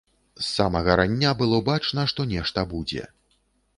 З самага рання было бачна, што нешта будзе.